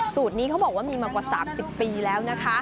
นี้เขาบอกว่ามีมากว่า๓๐ปีแล้วนะคะ